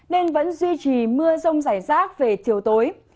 nên vẫn duy trì mưa rông rải rác về chiều tối